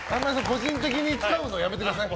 個人的に使うのやめてください。